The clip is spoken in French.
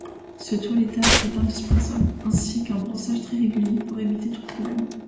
Ce toilettage est indispensable, ainsi qu'un brossage très régulier, pour éviter tout problème.